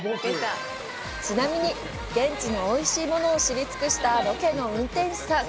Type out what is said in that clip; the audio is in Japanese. ちなみに、現地のおいしいものを知り尽くしたロケの運転手さん